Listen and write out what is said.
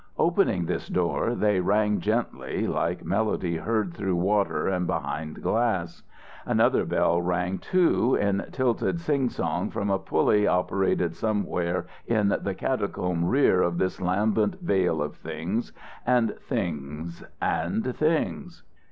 Opening this door, they rang gently, like melody heard through water and behind glass. Another bell rang, too, in tilted singsong from a pulley operating somewhere in the catacomb rear of this lambent vale of things and things and things.